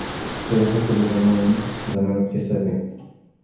فَلَيْسَ كُلُّ الزَّمَانِ زَمَانَ اكْتِسَابٍ